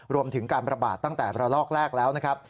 รวมถึงการประบาดตั้งแต่ระลอกแรกแล้วนะครับ